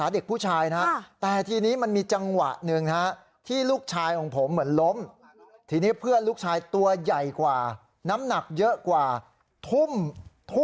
เด็กผู้ชายเคยเล่นไหมเอาภาพขนู